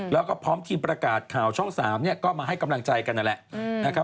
แล้วก็พร้อมทีมประกาศข่าวช่อง๓เนี่ยก็มาให้กำลังใจกันนั่นแหละนะครับ